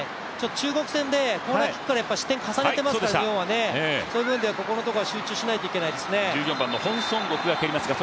中国戦でコーナーキックから日本は失点を重ねていますから、その分では、ここのところは集中しないといけないですね。